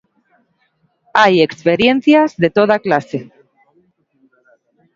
Hai experiencias de toda clase.